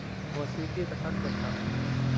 موسیقی پسند کرتا ہوں